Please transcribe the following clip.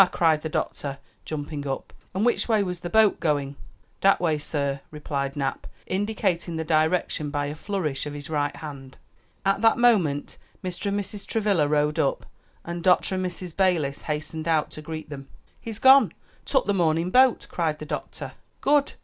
cried the doctor, jumping up; "and which way was the boat going?" "Dat way, sah," replied Nap, indicating the direction by a flourish of his right hand. At that moment Mr. and Mrs. Travilla rode up, and Dr. and Mrs. Balis hastened out to greet them. "He's gone; took the morning boat," cried the doctor. "Good!"